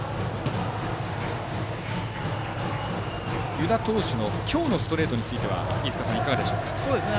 湯田投手の今日のストレートについては飯塚さん、いかがでしょうか。